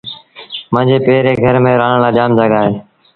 مآݩجي پي ري گھر ميݩ رآهڻ لآ جآم جآڳآ اهي۔